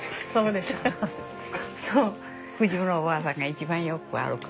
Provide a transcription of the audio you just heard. おばあさんが一番よく歩く。